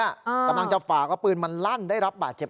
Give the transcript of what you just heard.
กำลังจะฝากว่าปืนมันลั่นได้รับบาดเจ็บ